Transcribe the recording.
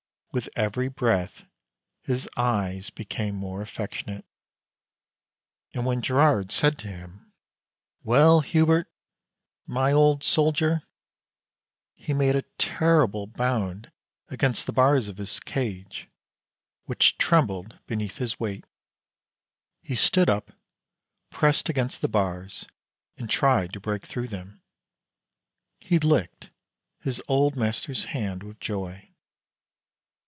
With every breath his eyes became more affectionate, and when Girard said to him: "Well, Hubert, my old soldier!" he made a terrible bound against the bars of his cage, which trembled beneath his weight. He stood up, pressed against the bars and tried to break through them. He licked his old master's hand with joy.